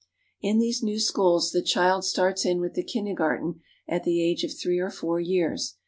In these new schools the child starts in with the kinder garten at the age of three or four years.